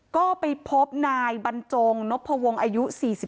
ก็ไปพบนายบรรจงนพวงอายุ๔๒